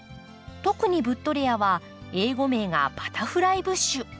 特にブッドレアは英語名がバタフライブッシュ。